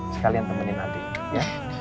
sekalian temenin adiknya ya